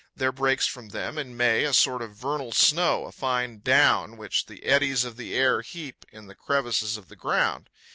There breaks from them, in May, a sort of vernal snow, a fine down, which the eddies of the air heap in the crevices of the ground.